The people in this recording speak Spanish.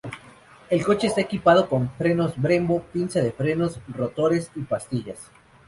El coche está equipado con Brembo pinza de frenos, rotores y pastillas.